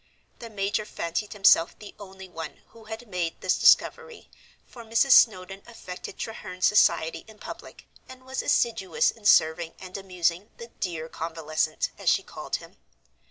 The major fancied himself the only one who had made this discovery, for Mrs. Snowdon affected Treherne's society in public, and was assiduous in serving and amusing the "dear convalescent," as she called him.